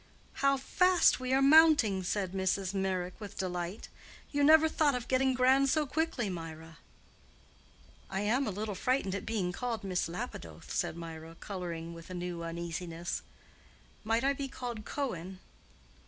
"How fast we are mounting!" said Mrs. Meyrick, with delight. "You never thought of getting grand so quickly, Mirah." "I am a little frightened at being called Miss Lapidoth," said Mirah, coloring with a new uneasiness. "Might I be called Cohen?"